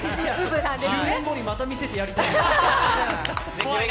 １０年後にまた見せてやりたい。